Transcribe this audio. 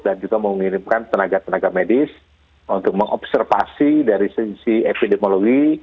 dan juga mengirimkan tenaga tenaga medis untuk mengobservasi dari sisi epidemiologi